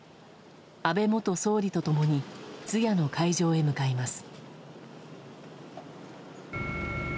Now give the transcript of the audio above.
安倍元総理と共に通夜の会場に向かいます。